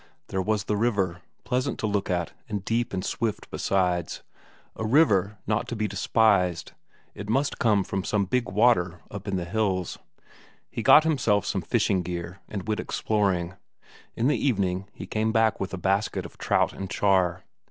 There was the river; pleasant to look at, and deep and swift besides; a river not to be despised; it must come from some big water up in the hills. He got himself some fishing gear and went exploring; in the evening he came back with a basket of trout and char.